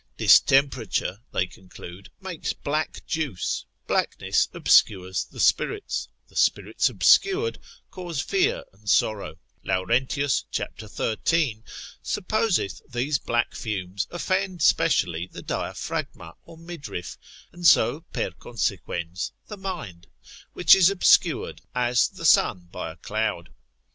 Distemperature, they conclude, makes black juice, blackness obscures the spirits, the spirits obscured, cause fear and sorrow. Laurentius, cap. 13. supposeth these black fumes offend specially the diaphragma or midriff, and so per consequens the mind, which is obscured as the sun by a cloud.